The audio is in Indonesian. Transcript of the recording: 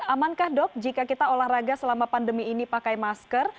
amankah dok jika kita olahraga selama pandemi ini pakai masker